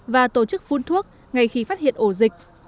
và tổ chức phun thuốc ngay khi phát hiện ổ dịch